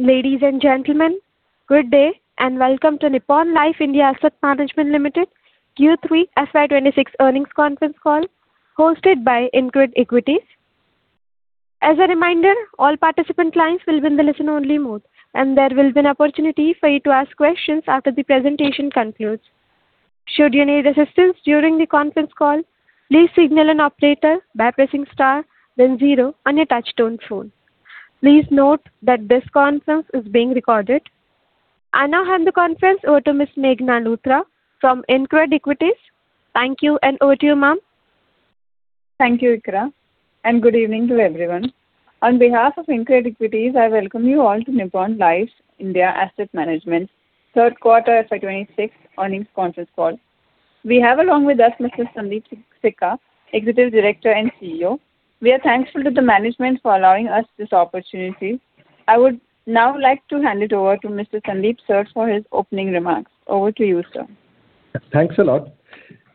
Ladies and gentlemen, good day and welcome to Nippon Life India Asset Management Limited Q3 FY 2026 earnings conference call hosted by InCred Equities. As a reminder, all participant lines will be in the listen-only mode, and there will be an opportunity for you to ask questions after the presentation concludes. Should you need assistance during the conference call, please signal an operator by pressing star, then zero, on your touch-tone phone. Please note that this conference is being recorded. I now hand the conference over to Ms. Meghna Luthra from InCred Equities. Thank you, and over to you, ma'am. Thank you, Arash, and good evening to everyone. On behalf of InCred Equities, I welcome you all to Nippon Life India Asset Management's third quarter FY 2026 earnings conference call. We have, along with us, Mr. Sundeep Sikka, Executive Director and CEO. We are thankful to the management for allowing us this opportunity. I would now like to hand it over to Mr. Sundeep Sir for his opening remarks. Over to you, sir. Thanks a lot.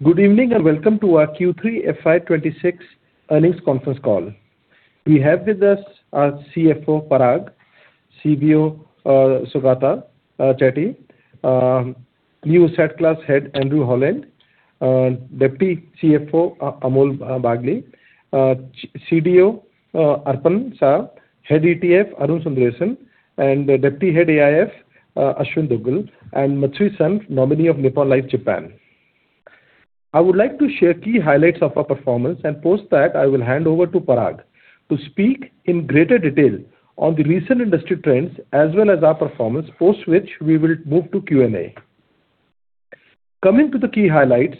Good evening and welcome to our Q3 FY 2026 earnings conference call. We have with us our CFO, Parag, CBO, Saugata Chatterjee, new asset class head, Andrew Holland, Deputy CFO, Amol Bilagi, CDO, Arpanarghya Saha, Head ETF, Arun Sundaresan, and Deputy Head AIF, Aashwin Dugal, and Shin Matsui, nominee of Nippon Life Japan. I would like to share key highlights of our performance and post that I will hand over to Parag to speak in greater detail on the recent industry trends as well as our performance, post which we will move to Q&A. Coming to the key highlights,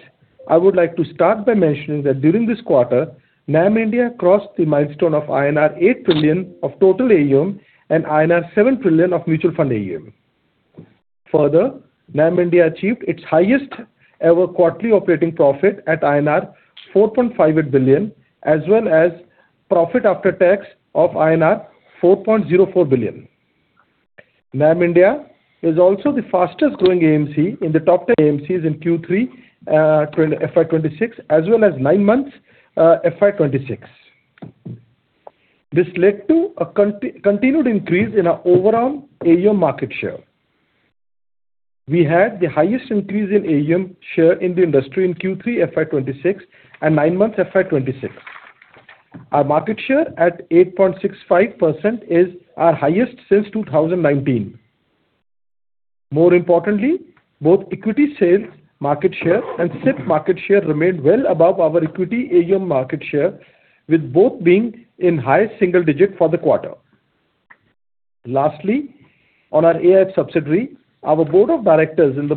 I would like to start by mentioning that during this quarter, NAM India crossed the milestone of INR 8 trillion of total AUM and INR 7 trillion of mutual fund AUM. Further, NAM India achieved its highest ever quarterly operating profit at INR 4.58 billion, as well as profit after tax of INR 4.04 billion. NAM India is also the fastest growing AMC in the top 10 AMCs in Q3 FY 2026, as well as nine months FY 2026. This led to a continued increase in our overall AUM market share. We had the highest increase in AUM share in the industry in Q3 FY 2026 and nine months FY 2026. Our market share at 8.65% is our highest since 2019. More importantly, both equity sales market share and SIP market share remained well above our equity AUM market share, with both being in high single digits for the quarter. Lastly, on our AIF subsidiary, our board of directors in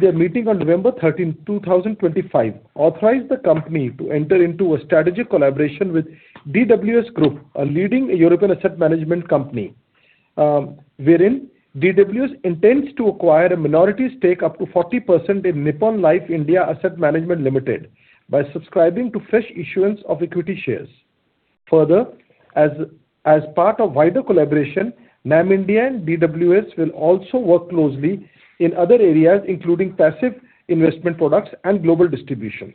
their meeting on November 13, 2025, authorized the company to enter into a strategic collaboration with DWS Group, a leading European asset management company, wherein DWS intends to acquire a minority stake up to 40% in Nippon Life India Asset Management Limited by subscribing to fresh issuance of equity shares. Further, as part of wider collaboration, NAM India and DWS will also work closely in other areas, including passive investment products and global distribution.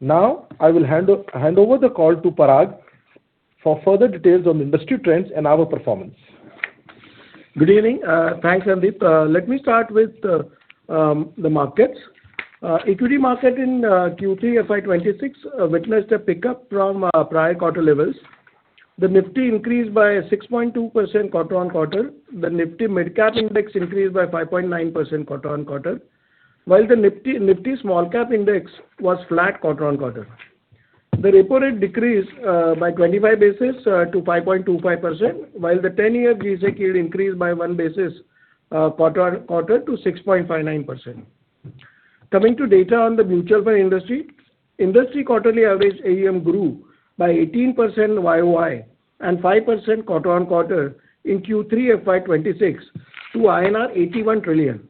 Now, I will hand over the call to Parag for further details on the industry trends and our performance. Good evening. Thanks, Sundeep. Let me start with the markets. Equity market in Q3 FY 2026 witnessed a pickup from prior quarter levels. The Nifty increased by 6.2% quarter-over-quarter. The Nifty mid-cap index increased by 5.9% quarter-over-quarter, while the Nifty small-cap index was flat quarter-over-quarter. The repo rate decreased by 25 basis points to 5.25%, while the 10-year G-Sec yield increased by 1 basis point quarter-over-quarter to 6.59%. Coming to data on the mutual fund industry, industry quarterly average AUM grew by 18% YoY and 5% quarter-over-quarter in Q3 FY 2026 to INR 81 trillion.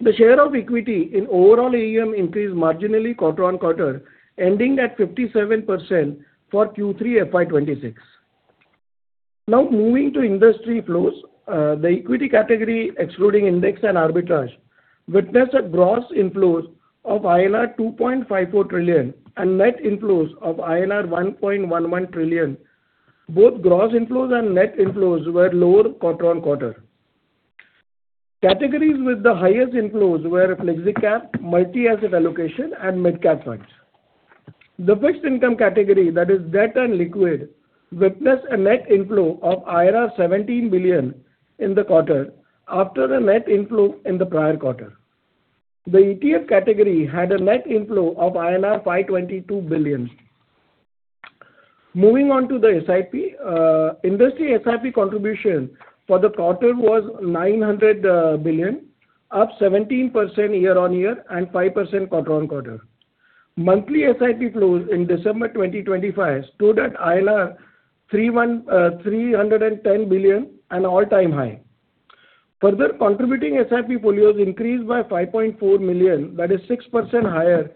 The share of equity in overall AUM increased marginally quarter-over-quarter, ending at 57% for Q3 FY 2026. Now, moving to industry flows, the equity category excluding index and arbitrage witnessed gross inflows of INR 2.54 trillion and net inflows of INR 1.11 trillion. Both gross inflows and net inflows were lower quarter-over-quarter. Categories with the highest inflows were Flexi Cap, multi-asset allocation, and mid-cap funds. The fixed income category, that is, debt and liquid, witnessed a net inflow of 17 billion in the quarter after the net inflow in the prior quarter. The ETF category had a net inflow of INR 522 billion. Moving on to the SIP, industry SIP contribution for the quarter was 900 billion, up 17% year-on-year and 5% quarter-over-quarter. Monthly SIP flows in December 2025 stood at 310 billion, an all-time high. Further, contributing SIP folios increased by 5.4 million, that is, 6% higher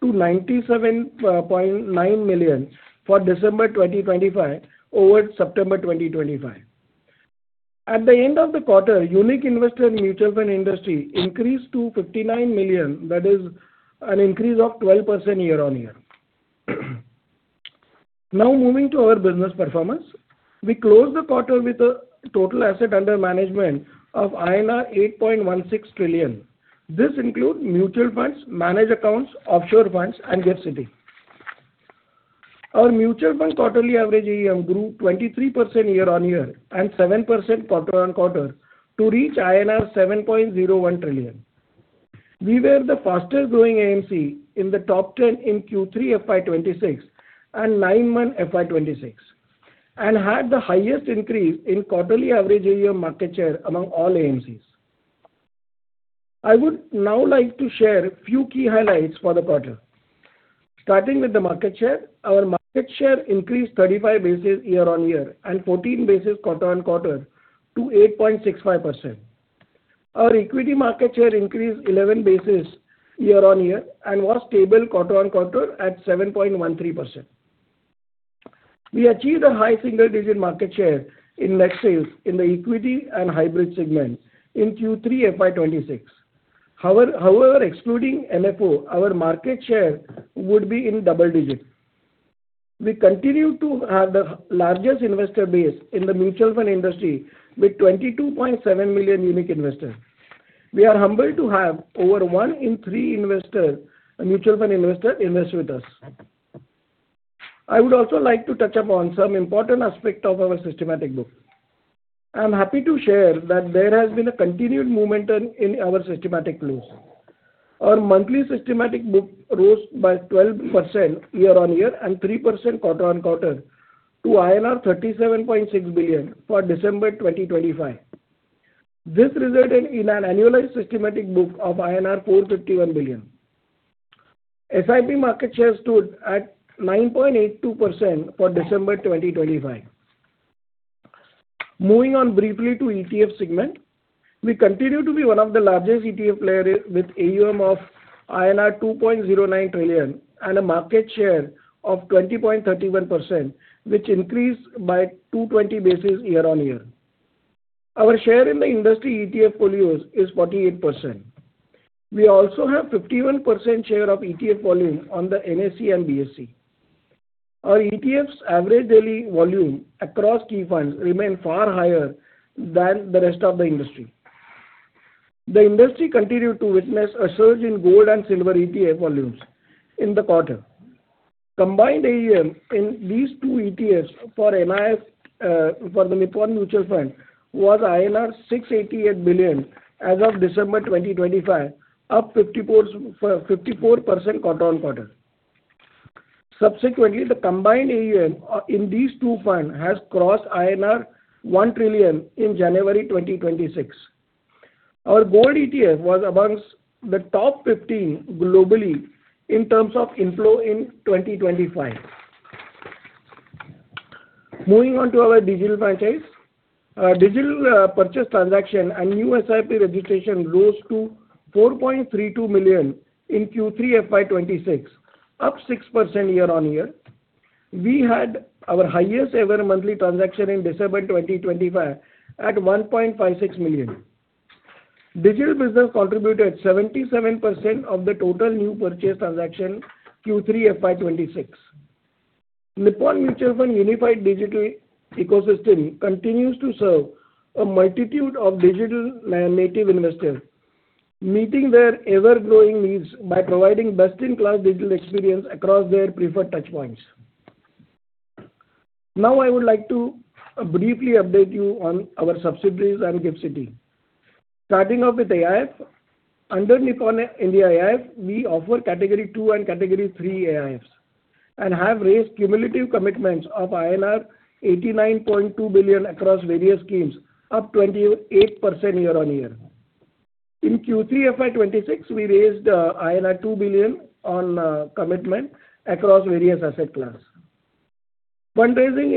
to 97.9 million for December 2025 over September 2025. At the end of the quarter, unique investor in mutual fund industry increased to 59 million, that is, an increase of 12% year-on-year. Now, moving to our business performance, we closed the quarter with a total asset under management of INR 8.16 trillion. This includes mutual funds, managed accounts, offshore funds, and GIFT City. Our mutual fund quarterly average AUM grew 23% year-on-year and 7% quarter-on-quarter to reach INR 7.01 trillion. We were the fastest growing AMC in the top 10 in Q3 FY 2026 and nine months FY 2026, and had the highest increase in quarterly average AUM market share among all AMCs. I would now like to share a few key highlights for the quarter. Starting with the market share, our market share increased 35 basis points year-on-year and 14 basis points quarter-on-quarter to 8.65%. Our equity market share increased 11 basis points year-on-year and was stable quarter-on-quarter at 7.13%. We achieved a high single-digit market share in net sales in the equity and hybrid segment in Q3 FY 2026. However, excluding NFO, our market share would be in double digits. We continue to have the largest investor base in the mutual fund industry with 22.7 million unique investors. We are humbled to have over one in three mutual fund investors invest with us. I would also like to touch upon some important aspects of our systematic book. I'm happy to share that there has been a continued momentum in our systematic flows. Our monthly systematic book rose by 12% year-on-year and 3% quarter-on-quarter to INR 37.6 billion for December 2025. This resulted in an annualized systematic book of INR 451 billion. SIP market share stood at 9.82% for December 2025. Moving on briefly to ETF segment, we continue to be one of the largest ETF players with AUM of INR 2.09 trillion and a market share of 20.31%, which increased by 220 basis points year-on-year. Our share in the industry ETF folios is 48%. We also have a 51% share of ETF volume on the NSE and BSE. Our ETF's average daily volume across key funds remained far higher than the rest of the industry. The industry continued to witness a surge in gold and silver ETF volumes in the quarter. Combined AUM in these two ETFs for the Nippon India Mutual Fund was INR 688 billion as of December 2025, up 54% quarter-on-quarter. Subsequently, the combined AUM in these two funds has crossed INR 1 trillion in January 2026. Our gold ETF was among the top 15 globally in terms of inflow in 2025. Moving on to our digital franchise, digital purchase transaction and new SIP registration rose to 4.32 million in Q3 FY 2026, up 6% year-on-year. We had our highest ever monthly transaction in December 2025 at 1.56 million. Digital business contributed 77% of the total new purchase transaction Q3 FY 2026. Nippon Mutual Fund Unified Digital Ecosystem continues to serve a multitude of digital native investors, meeting their ever-growing needs by providing best-in-class digital experience across their preferred touchpoints. Now, I would like to briefly update you on our subsidiaries and GIFT City. Starting off with AIF, under Nippon India AIF, we offer category two and category three AIFs and have raised cumulative commitments of INR 89.2 billion across various schemes, up 28% year-on-year. In Q3 FY 2026, we raised INR 2 billion on commitment across various asset classes. Fundraising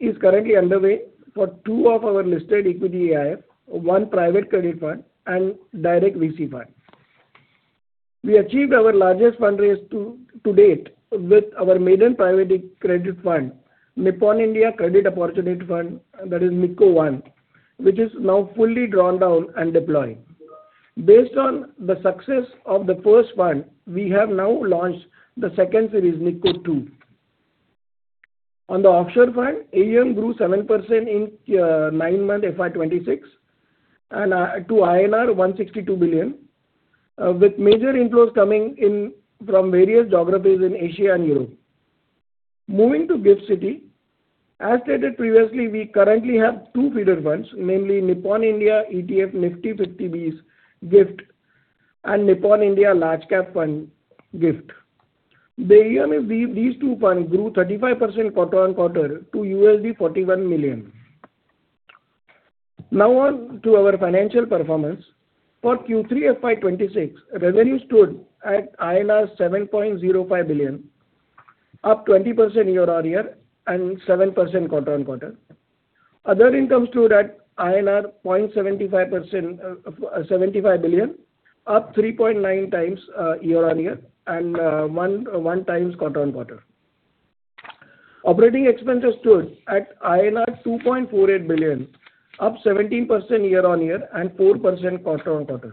is currently underway for two of our listed equity AIF, one private credit fund, and direct VC fund. We achieved our largest fundraise to date with our maiden private credit fund, Nippon India Credit Opportunity Fund, that is NICO One, which is now fully drawn down and deployed. Based on the success of the first fund, we have now launched the second series, NICO Two. On the offshore fund, AUM grew 7% in nine months FY 2026 to INR 162 billion, with major inflows coming in from various geographies in Asia and Europe. Moving to GIFT City, as stated previously, we currently have two feeder funds, namely Nippon India ETF Nifty 50 BeES GIFT and Nippon India Large Cap Fund GIFT. The AUM of these two funds grew 35% quarter-over-quarter to $41 million. Now, on to our financial performance. For Q3 FY 2026, revenue stood at INR 7.05 billion, up 20% year-on-year and 7% quarter-on-quarter. Other income stood at INR 0.75 billion, up 3.9x year-on-year and 1x quarter-on-quarter. Operating expenses stood at INR 2.48 billion, up 17% year-on-year and 4% quarter-on-quarter.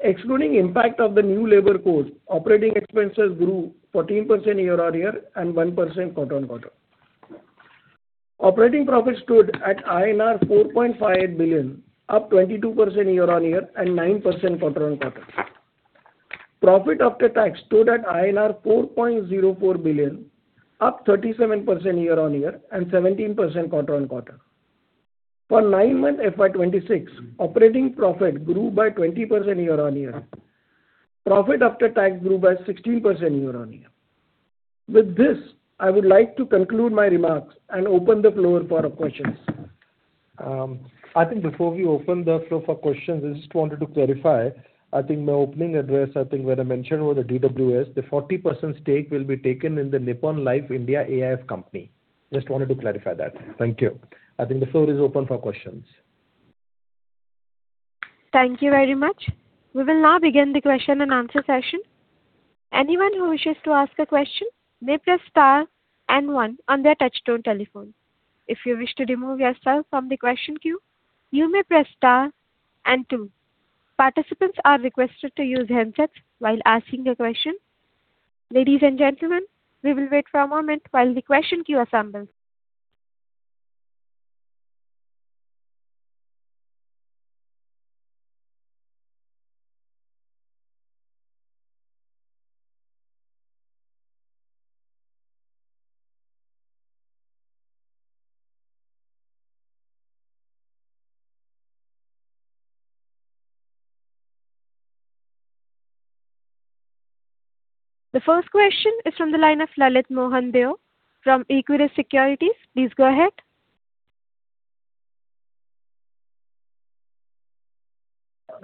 Excluding impact of the new Labour Code, operating expenses grew 14% year-on-year and 1% quarter-on-quarter. Operating profit stood at INR 4.58 billion, up 22% year-on-year and 9% quarter-on-quarter. Profit after tax stood at INR 4.04 billion, up 37% year-on-year and 17% quarter-on-quarter. For nine months FY 2026, operating profit grew by 20% year-on-year. Profit after tax grew by 16% year-on-year. With this, I would like to conclude my remarks and open the floor for questions. I think before we open the floor for questions, I just wanted to clarify. I think my opening address, I think when I mentioned over the DWS, the 40% stake will be taken in the Nippon Life India AIF company. Just wanted to clarify that. Thank you. I think the floor is open for questions. Thank you very much. We will now begin the question and answer session. Anyone who wishes to ask a question may press Star and One on their touch-tone telephone. If you wish to remove yourself from the question queue, you may press star and two. Participants are requested to use handsets while asking a question. Ladies and gentlemen, we will wait for a moment while the question queue assembles. The first question is from the line of Lalit Deo from Equirus Securities. Please go ahead.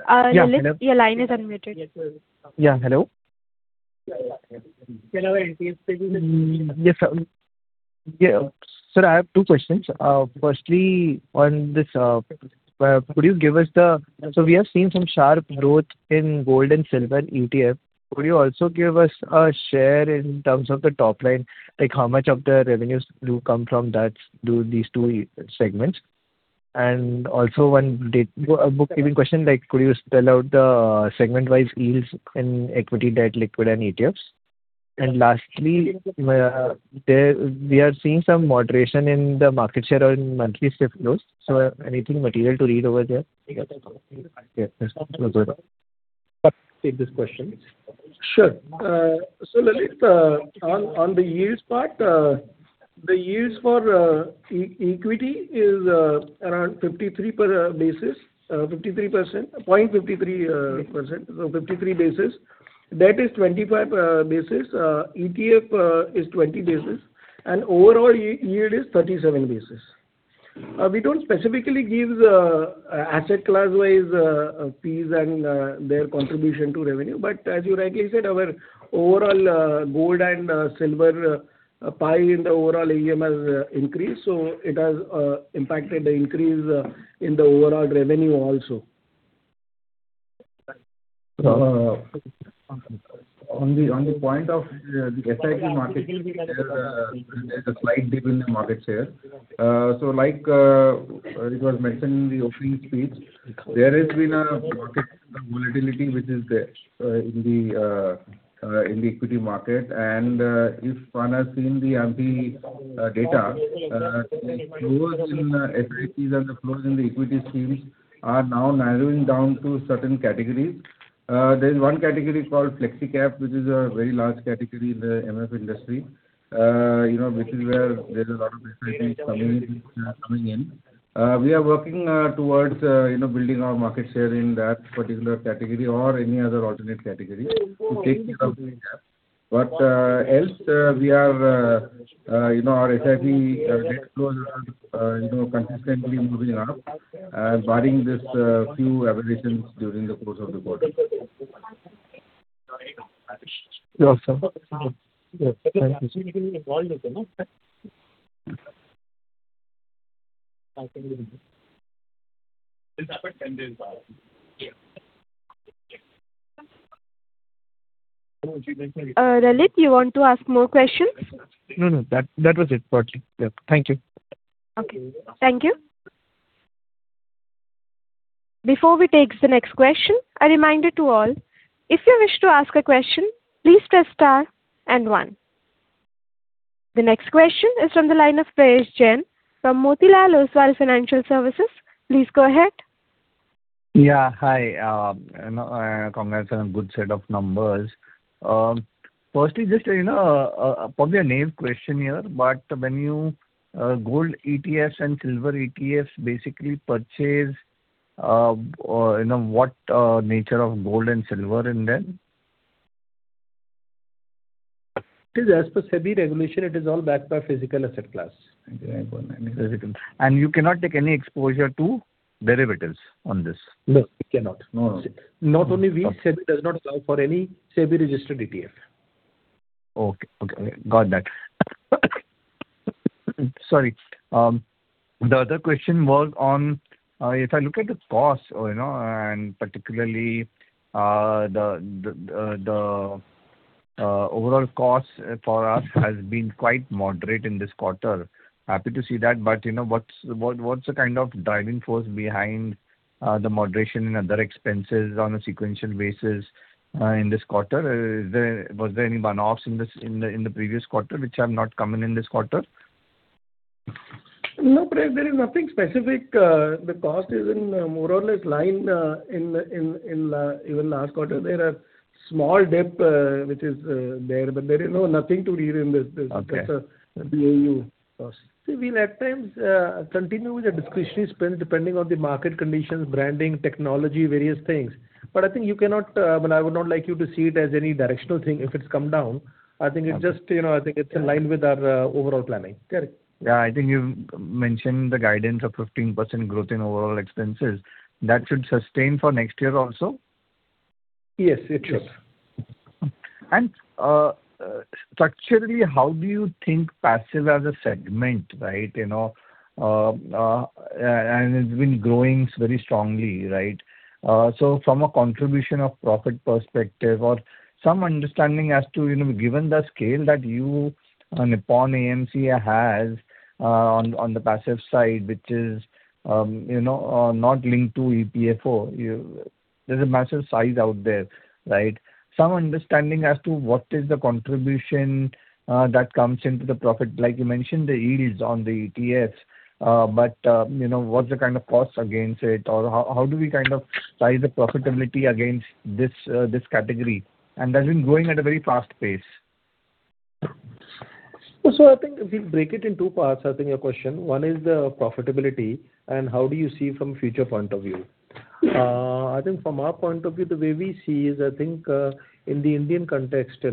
Lalit, your line is unmuted. Yeah, hello. Yes, sir. Sir, I have two questions. Firstly, on this, could you give us the—so we have seen some sharp growth in gold and silver ETF. Could you also give us a share in terms of the top line, like how much of the revenues do come from these two segments? And also one bookkeeping question, like could you spell out the segment-wise yields in equity, debt, liquid, and ETFs? And lastly, we are seeing some moderation in the market share or in monthly SIP flows. So anything material to read over there? Take this question. Sure. So Lalit, on the yields part, the yields for equity is around 53% basis, 53%, 0.53%, so 53 basis. Debt is 25 basis. ETF is 20 basis. And overall yield is 37 basis. We don't specifically give asset class-wise fees and their contribution to revenue. But as you rightly said, our overall gold and silver pie in the overall AUM has increased. So it has impacted the increase in the overall revenue also. On the point of the SIP market, there's a slight dip in the market share. So like it was mentioned in the opening speech, there has been a market volatility which is there in the equity market. If one has seen the AMFI data, the flows in SIPs and the flows in the equity schemes are now narrowing down to certain categories. There is one category called FlexiCap, which is a very large category in the MF industry, which is where there's a lot of SIPs coming in. We are working towards building our market share in that particular category or any other alternate category to take care of the gap. But else, we are our SIP net flows are consistently moving up and barring this few aberrations during the course of the quarter. Lalit, you want to ask more questions? No, no. That was it. Thank you. Okay. Thank you. Before we take the next question, a reminder to all, if you wish to ask a question, please press star and one. The next question is from the line of Prayesh Jain. From Motilal Oswal Financial Services, please go ahead. Yeah, hi. Congrats on a good set of numbers. Firstly, just probably a naive question here, but when you gold ETFs and silver ETFs basically purchase, what nature of gold and silver in them? It is as per SEBI regulation. It is all backed by physical asset class. You cannot take any exposure to derivatives on this? No, you cannot. Not only does SEBI not allow for any SEBI-registered ETF. Okay. Got that. Sorry. The other question was on if I look at the cost and particularly the overall cost for us has been quite moderate in this quarter. Happy to see that. But what's the kind of driving force behind the moderation in other expenses on a sequential basis in this quarter? Was there any one-offs in the previous quarter which have not come in in this quarter? No, Prayesh, there is nothing specific. The cost is more or less in line with even last quarter. There are small dips which is there, but there is nothing to read into this. That's a BAU cost. See, we at times continue with a discretionary spend depending on the market conditions, branding, technology, various things. But I think you cannot, well, I would not like you to see it as any directional thing if it's come down. I think it's just, I think it's in line with our overall planning. Yeah, I think you mentioned the guidance of 15% growth in overall expenses. That should sustain for next year also? Yes, it should. And structurally, how do you think passive as a segment, right? And it's been growing very strongly, right? So from a contribution of profit perspective or some understanding as to given the scale that you Nippon AMC has on the passive side, which is not linked to EPFO, there's a massive size out there, right? Some understanding as to what is the contribution that comes into the profit, like you mentioned the yields on the ETFs, but what's the kind of cost against it, or how do we kind of size the profitability against this category? And that's been growing at a very fast pace. So, I think we break it in two parts, I think, your question. One is the profitability, and how do you see from a future point of view? I think from our point of view, the way we see is I think in the Indian context,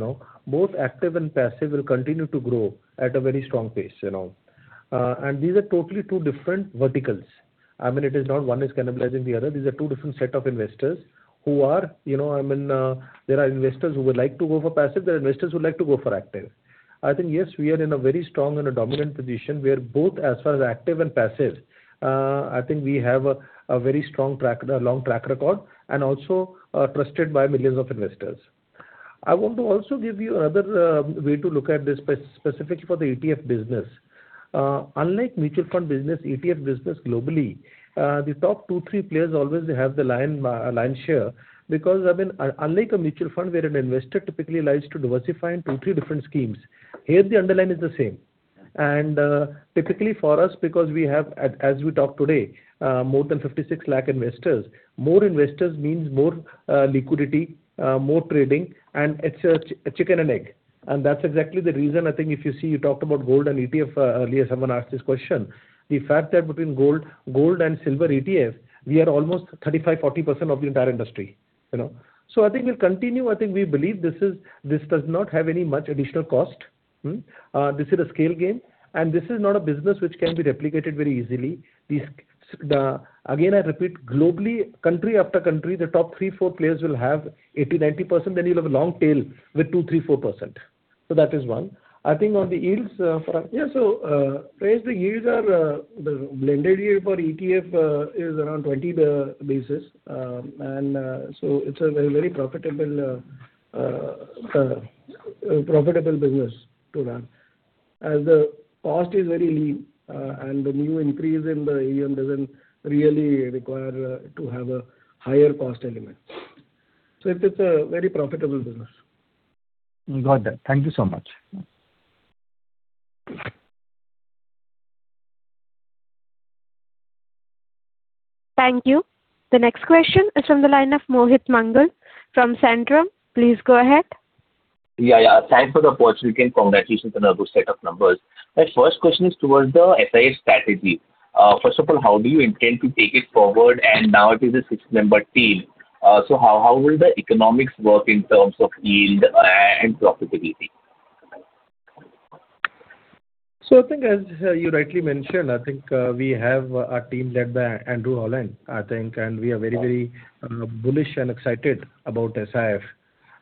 both active and passive will continue to grow at a very strong pace. And these are totally two different verticals. I mean, it is not one is cannibalizing the other. These are two different sets of investors who are, I mean, there are investors who would like to go for passive. There are investors who would like to go for active. I think, yes, we are in a very strong and a dominant position where both as far as active and passive, I think we have a very strong long track record and also trusted by millions of investors. I want to also give you another way to look at this specifically for the ETF business. Unlike mutual fund business, ETF business globally, the top two, three players always have the lion's share because, I mean, unlike a mutual fund where an investor typically likes to diversify in two, three different schemes, here, the underlying is the same. And typically for us, because we have, as we talk today, more than 56 lakh investors, more investors means more liquidity, more trading, and it's a chicken and egg. And that's exactly the reason I think if you see you talked about gold and ETF earlier, someone asked this question, the fact that between gold and silver ETF, we are almost 35%-40% of the entire industry. So I think we'll continue. I think we believe this does not have any much additional cost. This is a scale game. This is not a business which can be replicated very easily. Again, I repeat, globally, country after country, the top three, four players will have 80%-90%, then you'll have a long tail with 2%, 3%, 4%. So that is one. I think on the yields for us, yeah, so Prayesh, the yields are the blended yield for ETF is around 20 basis points. And so it's a very profitable business to run. As the cost is very lean, and the new increase in the AUM doesn't really require to have a higher cost element. So it's a very profitable business. Got that. Thank you so much. Thank you. The next question is from the line of Mohit Mangal from Centrum. Please go ahead. Yeah, yeah. Thanks for the opportunity. Congratulations on a good set of numbers. My first question is towards the SIP strategy. First of all, how do you intend to take it forward? And now it is a six-member team. So how will the economics work in terms of yield and profitability? So I think as you rightly mentioned, I think we have our team led by Andrew Holland, I think, and we are very, very bullish and excited about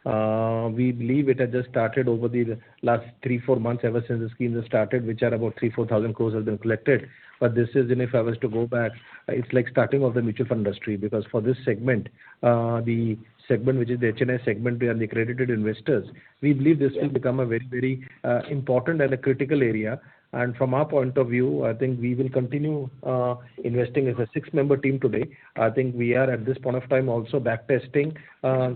AIF. We believe it has just started over the last three to four months ever since the schemes have started, which are about 3,000 crore-4,000 crore have been collected. But this is, if I was to go back, it's like starting of the mutual fund industry because for this segment, the segment which is the HNI segment and the accredited investors, we believe this will become a very, very important and a critical area. And from our point of view, I think we will continue investing as a six-member team today. I think we are at this point of time also backtesting,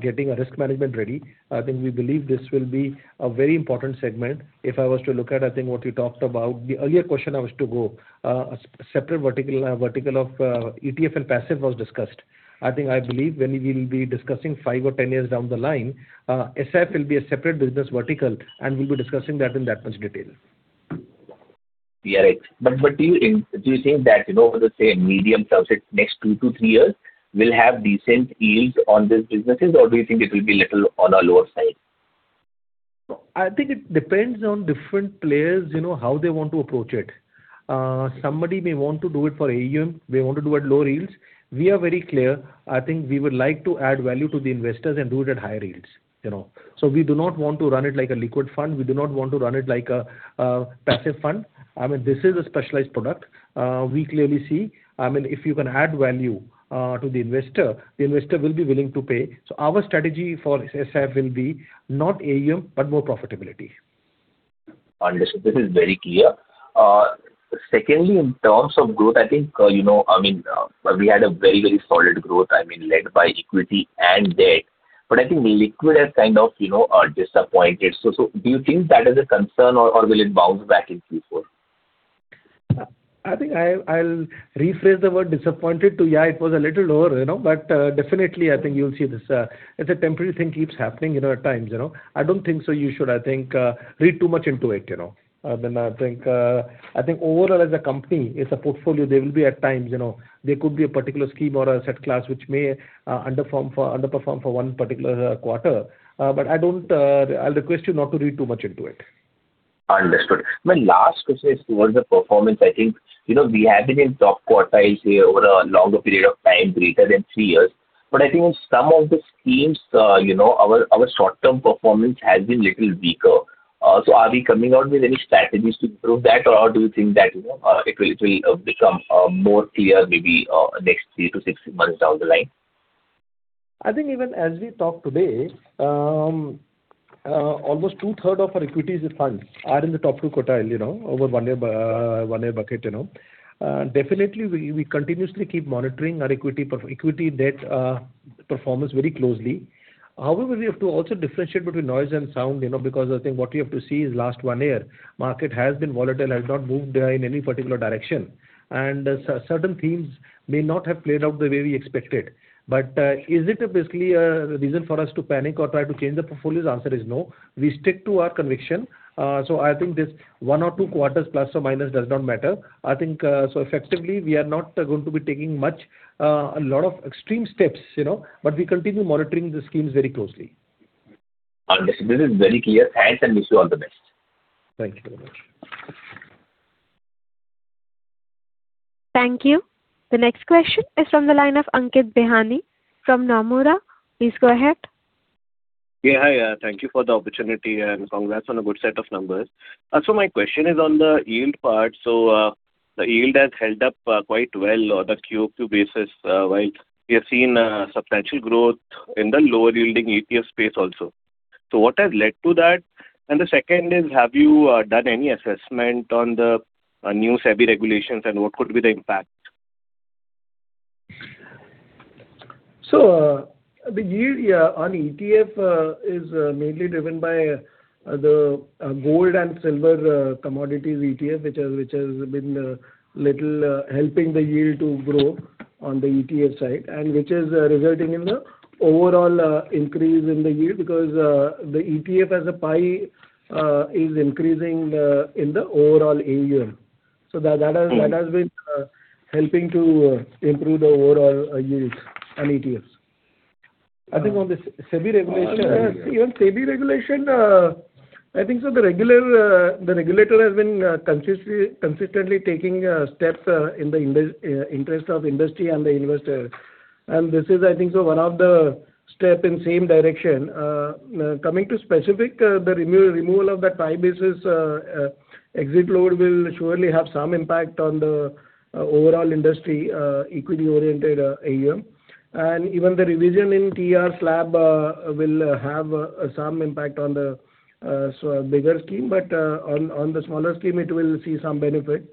getting our risk management ready. I think we believe this will be a very important segment. If I was to look at, I think what you talked about, the earlier question I was to go, a separate vertical of ETF and passive was discussed. I think I believe when we will be discussing five or 10 years down the line, SIP will be a separate business vertical and we'll be discussing that in that much detail. Yeah, right. But do you think that, let's say, a medium subset, next two to three years, will have decent yields on these businesses, or do you think it will be a little on a lower side? I think it depends on different players, how they want to approach it. Somebody may want to do it for AUM. They want to do at lower yields. We are very clear. I think we would like to add value to the investors and do it at higher yields. So we do not want to run it like a liquid fund. We do not want to run it like a passive fund. I mean, this is a specialized product. We clearly see, I mean, if you can add value to the investor, the investor will be willing to pay. So our strategy for AIF will be not AUM, but more profitability. Understood. This is very clear. Secondly, in terms of growth, I think, I mean, we had a very, very solid growth, I mean, led by equity and debt. But I think the liquid has kind of disappointed. So do you think that is a concern, or will it bounce back in Q4? I think I'll rephrase the word disappointed to, yeah, it was a little lower. But definitely, I think you'll see this. It's a temporary thing that keeps happening at times. I don't think so you should, I think, read too much into it. I mean, I think overall, as a company, it's a portfolio. There will be at times, there could be a particular scheme or an asset class which may underperform for one particular quarter. But I'll request you not to read too much into it. Understood. My last question is towards the performance. I think we have been in top quartiles here over a longer period of time, greater than three years. But I think in some of the schemes, our short-term performance has been a little weaker. So are we coming out with any strategies to improve that, or do you think that it will become more clear maybe next three to six months down the line? I think even as we talk today, almost two-thirds of our equities funds are in the top two quartiles over one-year bucket. Definitely, we continuously keep monitoring our equity debt performance very closely. However, we have to also differentiate between noise and sound because I think what we have to see is last one year, market has been volatile, has not moved in any particular direction. Certain themes may not have played out the way we expected. But is it basically a reason for us to panic or try to change the portfolio? The answer is no. We stick to our conviction. I think this one or two quarters, plus or minus, does not matter. I think so effectively, we are not going to be taking a lot of extreme steps, but we continue monitoring the schemes very closely. Understood. This is very clear. Thanks, and wish you all the best. Thank you very much. Thank you. The next question is from the line of Ankit Bihani from Nomura. Please go ahead. Yeah, hi. Thank you for the opportunity and congrats on a good set of numbers. So my question is on the yield part. So the yield has held up quite well on a QoQ basis, while we have seen substantial growth in the lower-yielding ETF space also. So what has led to that? And the second is, have you done any assessment on the new SEBI regulations and what could be the impact? So the yield on ETF is mainly driven by the gold and silver commodities ETF, which has been a little helping the yield to grow on the ETF side, and which is resulting in the overall increase in the yield because the ETF as a pie is increasing in the overall AUM. So that has been helping to improve the overall yields on ETFs. I think on the SEBI regulation, even SEBI regulation, I think so the regulator has been consistently taking steps in the interest of industry and the investors. And this is, I think so, one of the steps in the same direction. Coming to specific, the removal of that five basis exit load will surely have some impact on the overall industry equity-oriented AUM. Even the revision in TER slab will have some impact on the bigger scheme, but on the smaller scheme, it will see some benefit.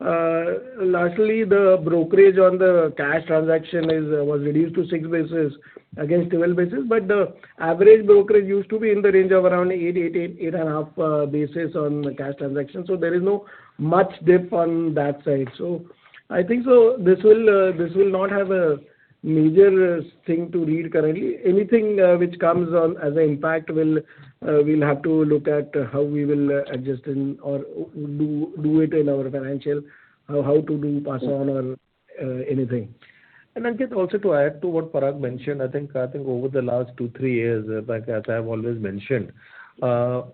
Lastly, the brokerage on the cash transaction was reduced to 6 basis points against 12 basis points. But the average brokerage used to be in the range of around eight, 8.5 basis points on the cash transaction. So there is not much dip on that side. So I think so this will not have a major thing to read currently. Anything which comes on as an impact will have to look at how we will adjust or do it in our financial, how to do pass on or anything. Ankit, also to add to what Parag mentioned, I think over the last two, three years, as I have always mentioned,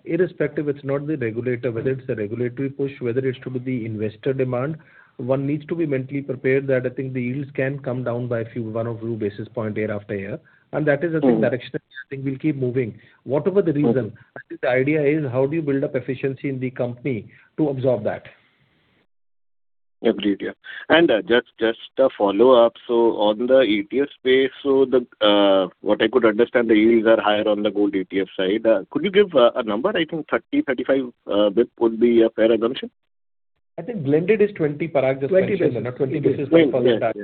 irrespective, it's not the regulator, whether it's a regulatory push, whether it's to the investor demand, one needs to be mentally prepared that I think the yields can come down by 1 basis points or 2 basis points year after year. That is, I think, the direction I think we'll keep moving. Whatever the reason, I think the idea is how do you build up efficiency in the company to absorb that. Agreed. Yeah. Just a follow-up. On the ETF space, what I could understand, the yields are higher on the gold ETF side. Could you give a number? I think 30 bps-35 bps would be a fair assumption. I think blended is 20, Parag, just mentioned. Not 20 basis points for that.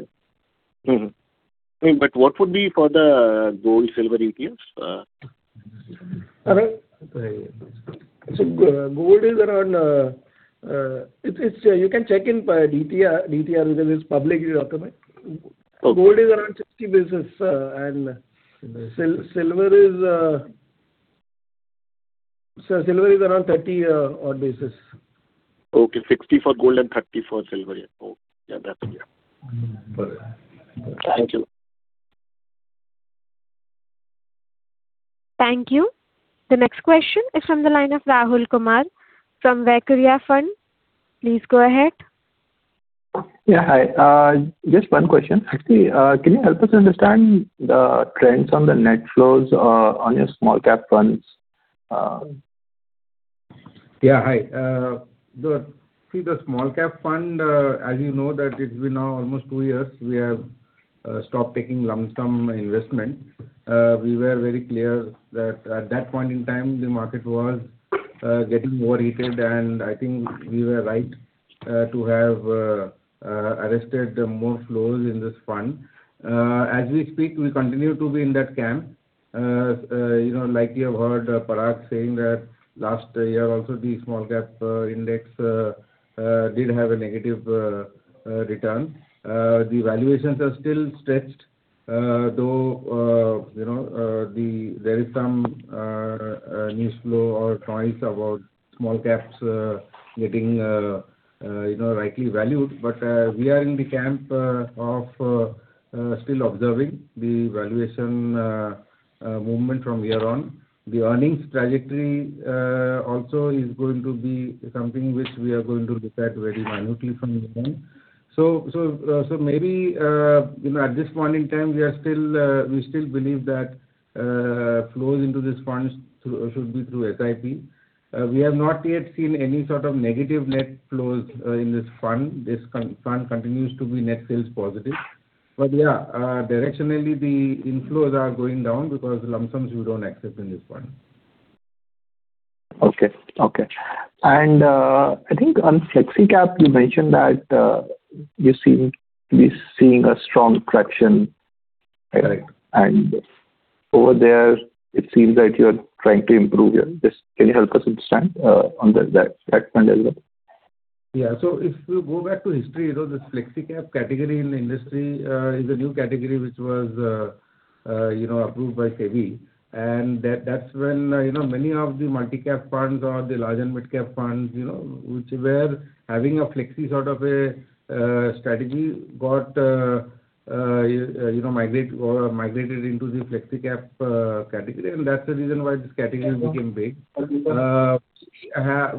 What would be for the gold, silver ETFs? Gold is around. You can check in TER because it's public document. Gold is around 60 basis. Silver is around 30 odd basis. Okay. 60 for gold and 30 for silver. Yeah. Okay. Yeah. That's it. Thank you. Thank you. The next question is from the line of Rahul Kumar from Valcreate Investment Managers. Please go ahead. Yeah. Hi. Just one question. Actually, can you help us understand the trends on the net flows on your small-cap funds? Yeah. Hi. So see, the small-cap fund, as you know, that it's been almost two years we have stopped taking lump sum investment. We were very clear that at that point in time, the market was getting overheated. And I think we were right to have arrested more flows in this fund. As we speak, we continue to be in that camp. Like you have heard Parag saying that last year, also, the small-cap index did have a negative return. The valuations are still stretched, though there is some news flow or noise about small-caps getting rightly valued. But we are in the camp of still observing the valuation movement from here on. The earnings trajectory also is going to be something which we are going to look at very minutely from here. So maybe at this point in time, we still believe that flows into this fund should be through SIP. We have not yet seen any sort of negative net flows in this fund. This fund continues to be net sales positive. But yeah, directionally, the inflows are going down because lump sums we don't accept in this fund. Okay. Okay. I think on FlexiCap, you mentioned that you seem to be seeing a strong correction. Correct. Over there, it seems that you're trying to improve. Just, can you help us understand on that fund as well? Yeah. So if you go back to history, this FlexiCap category in the industry is a new category which was approved by SEBI. And that's when many of the multicap funds or the large and midcap funds, which were having a flexi sort of a strategy, got migrated into the FlexiCap category. And that's the reason why this category became big.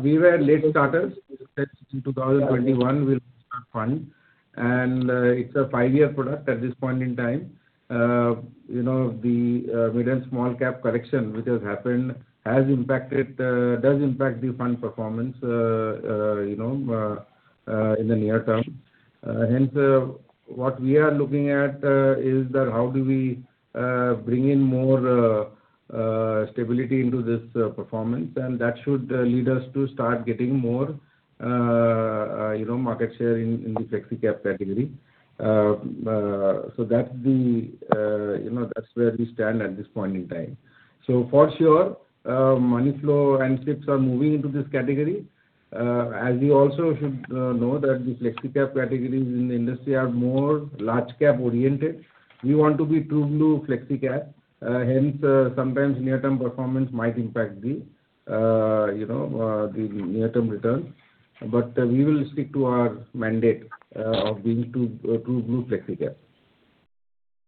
We were late starters. In 2021, we launched our fund. And it's a five-year product at this point in time. The mid and small-cap correction which has happened does impact the fund performance in the near term. Hence, what we are looking at is that how do we bring in more stability into this performance? And that should lead us to start getting more market share in the FlexiCap category. So that's where we stand at this point in time. So for sure, money flow and chips are moving into this category. As you also should know, the FlexiCap categories in the industry are more large-cap oriented. We want to be true blue FlexiCap. Hence, sometimes near-term performance might impact the near-term return. But we will stick to our mandate of being true blue FlexiCap.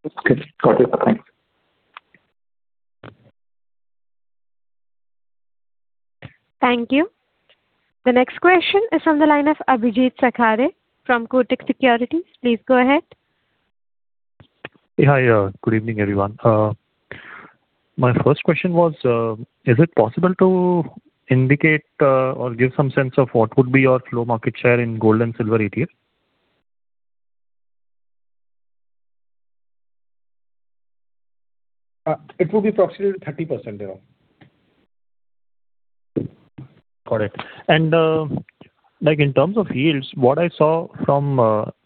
Okay. Got it. Thanks. Thank you. The next question is from the line of Abhijeet Sakhare from Kotak Securities. Please go ahead. Yeah. Good evening, everyone. My first question was, is it possible to indicate or give some sense of what would be your flow market share in gold and silver ETF? It would be approximately 30%. Got it. And in terms of yields, what I saw from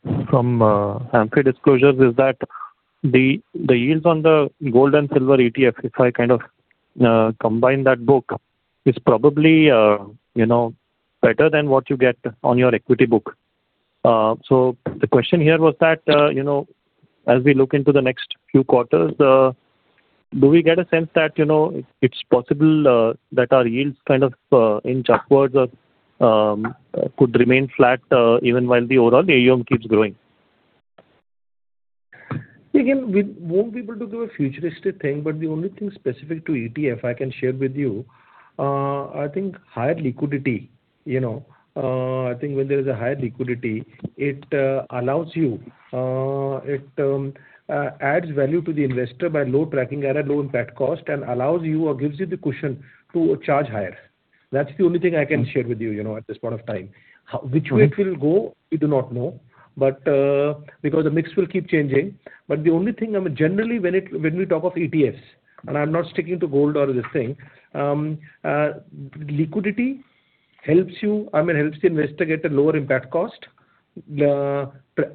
AMFI disclosures is that the yields on the gold and silver ETF, if I kind of combine that book, is probably better than what you get on your equity book. So the question here was that as we look into the next few quarters, do we get a sense that it's possible that our yields kind of inch upwards or could remain flat even while the overall AUM keeps growing? Again, we won't be able to do a futuristic thing, but the only thing specific to ETF I can share with you, I think higher liquidity. I think when there is a higher liquidity, it allows you it adds value to the investor by low tracking error, low impact cost, and allows you or gives you the cushion to charge higher. That's the only thing I can share with you at this point of time. Which way it will go, we do not know because the mix will keep changing. But the only thing, generally, when we talk of ETFs, and I'm not sticking to gold or this thing, liquidity helps you I mean, helps the investor get a lower impact cost,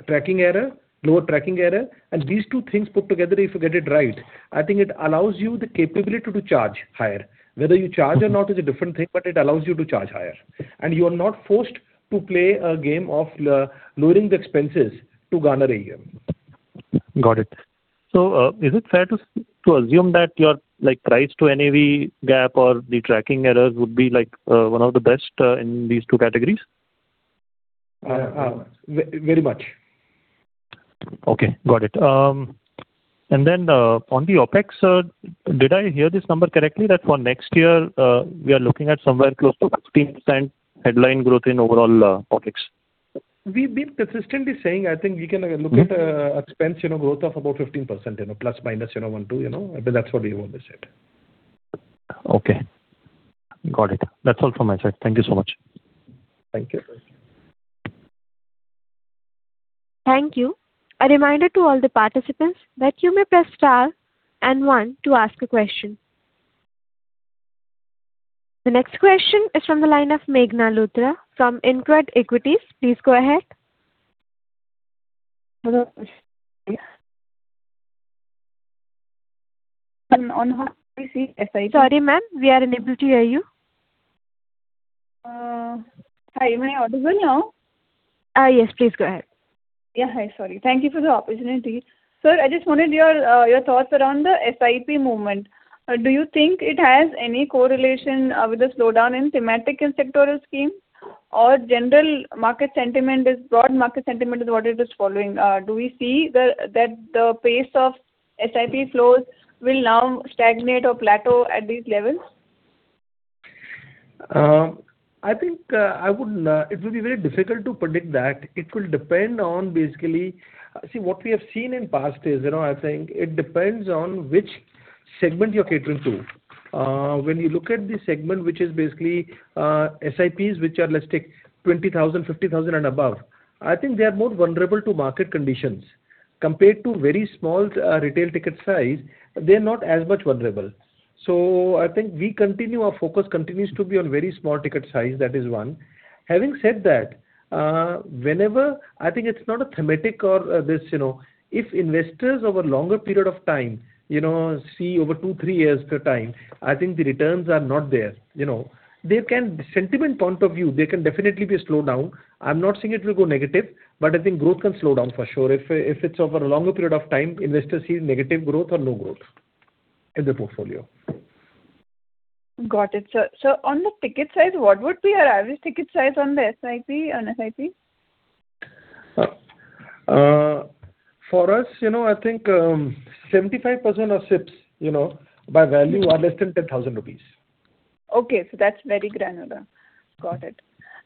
tracking error, lower tracking error. And these two things put together, if you get it right, I think it allows you the capability to charge higher. Whether you charge or not is a different thing, but it allows you to charge higher. You are not forced to play a game of lowering the expenses to garner AUM. Got it. So is it fair to assume that your price to NAV gap or the tracking errors would be one of the best in these two categories? Very much. Okay. Got it. And then on the OpEx, did I hear this number correctly that for next year, we are looking at somewhere close to 15% headline growth in overall OpEx? We've been consistently saying, I think we can look at expense growth of about 15%, ±1, two. That's what we always said. Okay. Got it. That's all from my side. Thank you so much. Thank you. Thank you. A reminder to all the participants that you may press star and one to ask a question. The next question is from the line of Meghna Luthra from InCred Equities. Please go ahead. Hello. Sorry, ma'am. We are unable to hear you. Hi. May I order one now? Yes. Please go ahead. Yeah. Hi. Sorry. Thank you for the opportunity. Sir, I just wanted your thoughts around the SIP movement. Do you think it has any correlation with the slowdown in thematic and sectoral scheme, or general market sentiment is broad market sentiment is what it is following? Do we see that the pace of SIP flows will now stagnate or plateau at these levels? I think it will be very difficult to predict that. It will depend on basically see, what we have seen in past days. I think it depends on which segment you're catering to. When you look at the segment, which is basically SIPs, which are, let's take 20,000, 50,000, and above, I think they are more vulnerable to market conditions. Compared to very small retail ticket size, they are not as much vulnerable. So I think our focus continues to be on very small ticket size. That is one. Having said that, whenever I think it's not a thematic or this if investors over a longer period of time see over two, three years per time, I think the returns are not there. The sentiment point of view, there can definitely be a slowdown. I'm not saying it will go negative, but I think growth can slow down for sure. If it's over a longer period of time, investors see negative growth or no growth in the portfolio. Got it. So on the ticket size, what would be your average ticket size on the SIP or SIP? For us, I think 75% of SIPs by value are less than 10,000 rupees. Okay. That's very granular. Got it.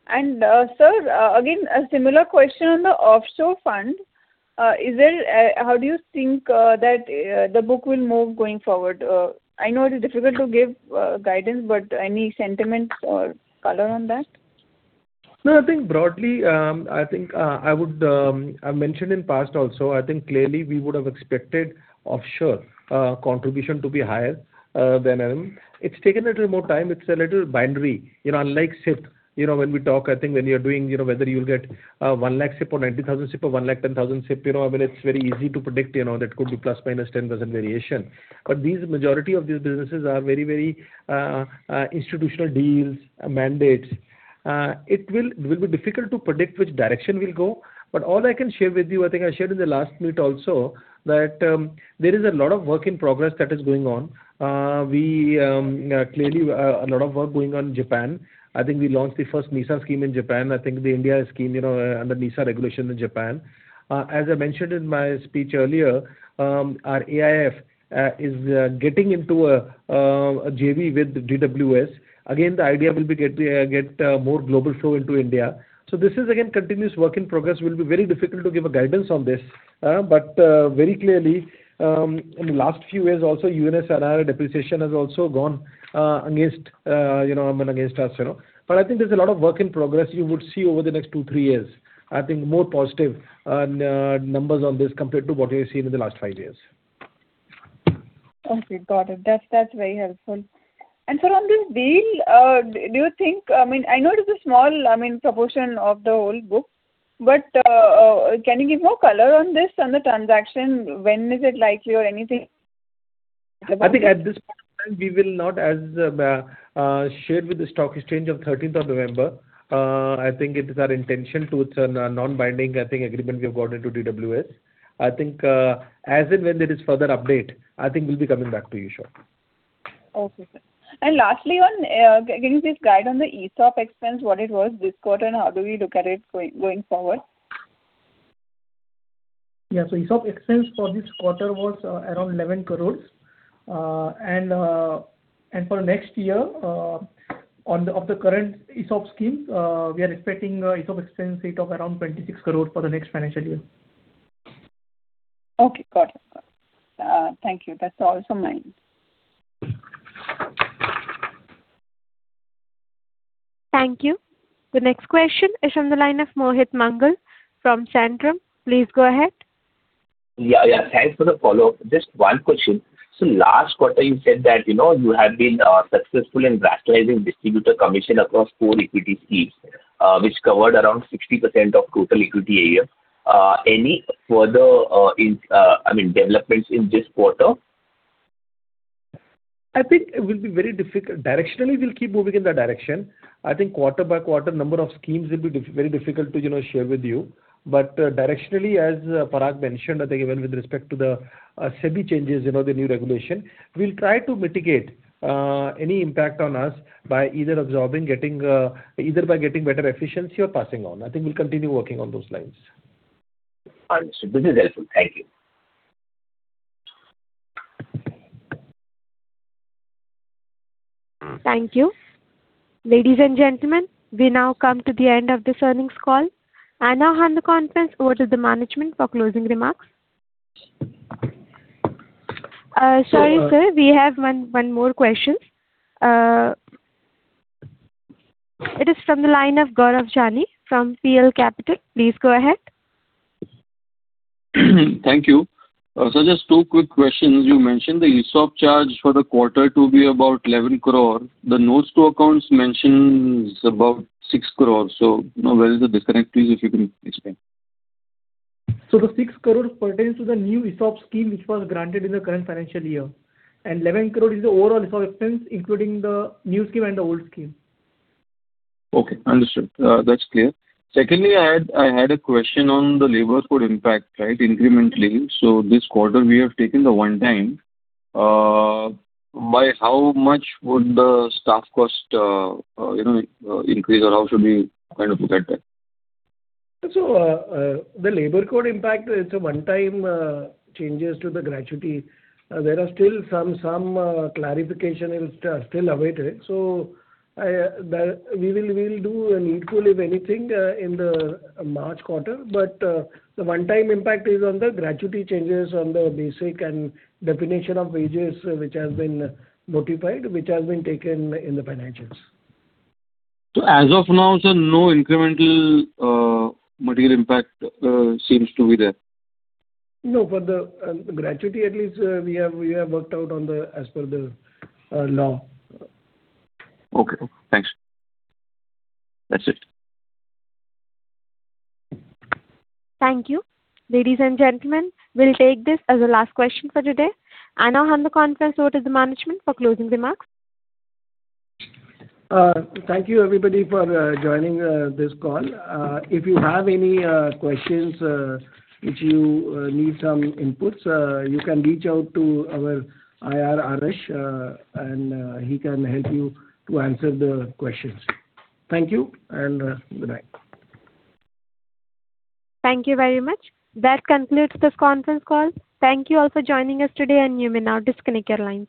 And sir, again, a similar question on the offshore fund. How do you think that the book will move going forward? I know it is difficult to give guidance, but any sentiments or color on that? No. I think broadly, I think I would have mentioned in past also, I think clearly we would have expected offshore contribution to be higher than it's taken a little more time. It's a little binary. Unlike SIP, when we talk, I think when you're doing whether you'll get 100,000 SIP or 90,000 SIP or 110,000 SIP, I mean, it's very easy to predict that could be ±10% variation. But the majority of these businesses are very, very institutional deals, mandates. It will be difficult to predict which direction will go. But all I can share with you, I think I shared in the last meet also that there is a lot of work in progress that is going on. Clearly, a lot of work going on in Japan. I think we launched the first NISA scheme in Japan. I think the India scheme under NISA regulation in Japan. As I mentioned in my speech earlier, our AIF is getting into a JV with DWS. Again, the idea will be to get more global flow into India. So this is, again, continuous work in progress. It will be very difficult to give a guidance on this. But very clearly, in the last few years, also USD and our depreciation has also gone against I mean, against us. But I think there's a lot of work in progress you would see over the next two, three years. I think more positive numbers on this compared to what we have seen in the last five years. Okay. Got it. That's very helpful. And sir, on this deal, do you think I mean, I know it is a small, I mean, proportion of the whole book, but can you give more color on this and the transaction? When is it likely or anything? I think at this point in time, we will not share with the stock exchange on 13th of November. I think it is our intention to turn a non-binding, I think, agreement we have got into DWS. I think as in when there is further update, I think we'll be coming back to you shortly. Okay. Lastly, giving this guide on the ESOP expense, what it was this quarter and how do we look at it going forward? Yeah. ESOP expense for this quarter was around 11 crores. For next year, of the current ESOP scheme, we are expecting ESOP expense rate of around 26 crores for the next financial year. Okay. Got it. Thank you. That's all from mine. Thank you. The next question is from the line of Mohit Mangal from Centrum. Please go ahead. Yeah. Yeah. Thanks for the follow-up. Just one question. So last quarter, you said that you have been successful in rationalizing distributor commission across four equity schemes, which covered around 60% of total equity AUM. Any further, I mean, developments in this quarter? I think it will be very difficult. Directionally, we'll keep moving in that direction. I think quarter by quarter, number of schemes will be very difficult to share with you. But directionally, as Parag mentioned, I think even with respect to the SEBI changes, the new regulation, we'll try to mitigate any impact on us by either absorbing by getting better efficiency or passing on. I think we'll continue working on those lines. All right. This is helpful. Thank you. Thank you. Ladies and gentlemen, we now come to the end of this earnings call. I'll hand the conference over to the management for closing remarks. Sorry, sir. We have one more question. It is from the line of Gaurav Jani from PL Capital. Please go ahead. Thank you. Sir, just two quick questions. You mentioned the ESOP charge for the quarter to be about 11 crore. The notes to accounts mention about 6 crore. So where is the disconnect? Please, if you can explain? The 6 crore pertains to the new ESOP scheme, which was granted in the current financial year. 11 crore is the overall ESOP expense, including the new scheme and the old scheme. Okay. Understood. That's clear. Secondly, I had a question on the labor code impact, right, incrementally. So this quarter, we have taken the one-time by how much would the staff cost increase or how should we kind of look at that? The labor code impact, it's a one-time changes to the gratuity. There are still some clarifications awaiting. We will do a needful, if anything, in the March quarter. But the one-time impact is on the gratuity changes on the basic and definition of wages, which has been notified, which has been taken in the financials. As of now, sir, no incremental material impact seems to be there? No. For the gratuity, at least we have worked out as per the law. Okay. Thanks. That's it. Thank you. Ladies and gentlemen, we'll take this as the last question for today. I'll hand the conference over to the management for closing remarks. Thank you, everybody, for joining this call. If you have any questions, if you need some inputs, you can reach out to our IR Arash, and he can help you to answer the questions. Thank you, and good night. Thank you very much. That concludes this conference call. Thank you all for joining us today, and you may now disconnect your lines.